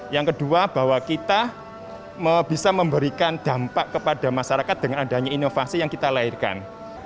yang kedua bahwa kita bisa memberikan dampak kepada masyarakat dengan adanya inovasi yang kita lahirkan